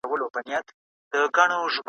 اقتصاد د ټولنیزو اړیکو اغیزې مطالعه کوي.